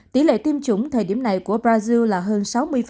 tỷ lệ tiêm chủng thời điểm này của brazil là hơn sáu mươi